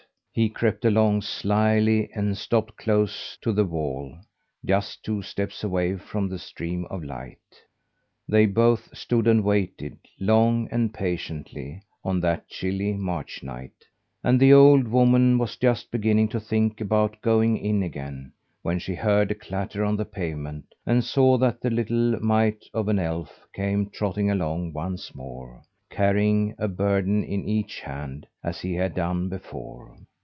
He crept along slyly and stopped close to the wall, just two steps away from the stream of light. They both stood and waited, long and patiently, on that chilly March night, and the old woman was just beginning to think about going in again, when she heard a clatter on the pavement, and saw that the little mite of an elf came trotting along once more, carrying a burden in each hand, as he had done before.